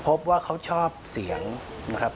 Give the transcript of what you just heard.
พบว่าเขาชอบเสียงนะครับ